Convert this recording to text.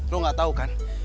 lo gak tau kan